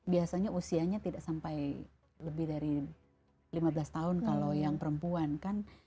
biasanya usianya tidak sampai lebih dari lima belas tahun kalau yang perempuan kan